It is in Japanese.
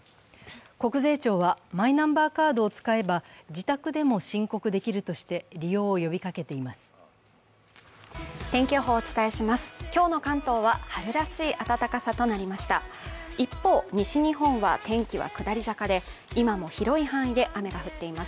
国税庁は、マイナンバーカードを使えば自宅でも申告できるとして利用を呼びかけています。